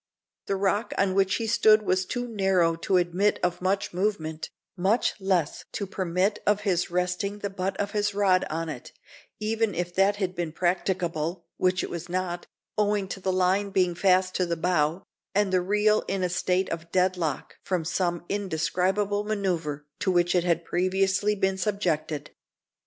The rock on which he stood was too narrow to admit of much movement, much less to permit of his resting the butt of his rod on it, even if that had been practicable which it was not, owing to the line being fast to the bough, and the reel in a state of dead lock from some indescribable manoeuvre, to which it had previously been subjected.